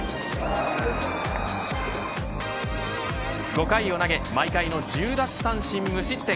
５回を投げ毎回の１０奪三振無失点。